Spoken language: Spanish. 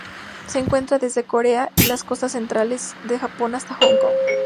Se encuentra desde Corea y las costas centrales del Japón hasta Hong Kong.